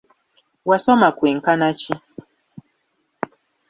Wasoma kwenkana ki?